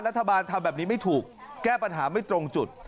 รัฐบาลทำแบบนี้ไม่ถูกแก้ปัญหาไม่ตรงจุด